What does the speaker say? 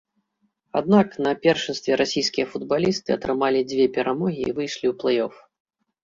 Аднак на першынстве расійскія футбалісты атрымалі дзве перамогі і выйшлі ў плэй-оф.